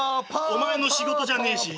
お前の仕事じゃねえし。